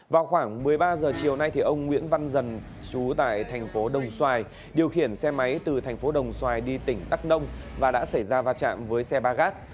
vào khoảng một mươi ba h chiều nay ông nguyễn văn dần chú tại thành phố đồng xoài điều khiển xe máy từ thành phố đồng xoài đi tỉnh đắk nông và đã xảy ra va chạm với xe ba gác